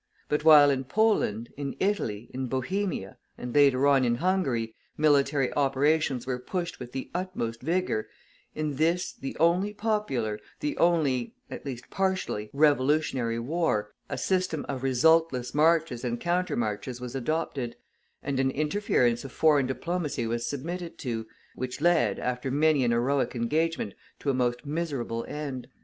But while in Poland, in Italy, in Bohemia, and later on, in Hungary, military operations were pushed with the utmost vigor, in this the only popular, the only, at least partially, revolutionary war, a system of resultless marches and counter marches was adopted, and an interference of foreign diplomacy was submitted to, which led, after many an heroic engagement, to a most miserable end.